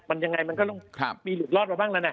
มันยังไงมันก็ต้องมีหลุดรอดมาบ้างแล้วนะ